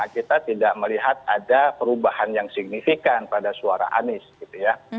kita tidak melihat ada perubahan yang signifikan pada suara anies gitu ya